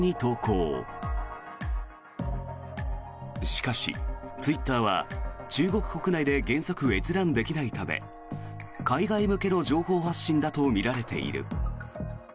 しかし、ツイッターは中国国内で原則閲覧できないため海外向けの情報発信だとみられている。